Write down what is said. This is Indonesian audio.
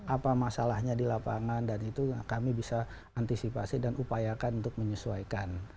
apa masalahnya di lapangan dan itu kami bisa antisipasi dan upayakan untuk menyesuaikan